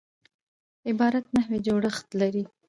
عبارت نحوي جوړښت لري.